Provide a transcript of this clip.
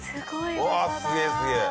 うわっすげえすげえ。